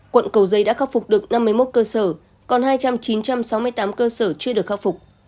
quận cầu giấy đã khắc phục được năm mươi một cơ sở còn hai trăm chín mươi tám cơ sở chưa được khắc phục